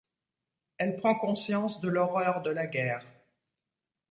Elle prend conscience de l’horreur de la guerre.